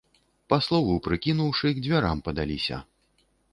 Па слову прыкінуўшы, к дзвярам падаліся.